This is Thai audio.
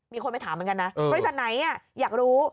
มีคนไปถามเหมือนกันนะบริษัทไหนอยากรู้